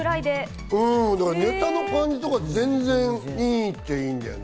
ネタの感じとか全然いいっちゃいいんだよね。